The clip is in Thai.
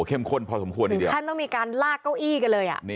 หรือท่านต้องมีการลากเก้าอี้กันเลย